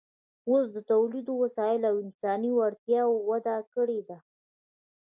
اوس د تولیدي وسایلو او انساني وړتیاوو وده کړې ده